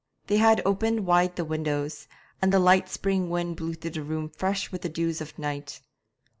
They had opened wide the windows, and the light spring wind blew through the room fresh with the dews of night.